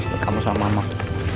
buat kamu sama mamah